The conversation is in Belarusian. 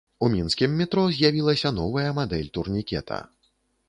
У мінскім метро з'явілася новая мадэль турнікета.